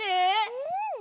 うん！